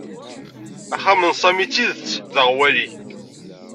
Axxam n Sami d tidet d aɣwali.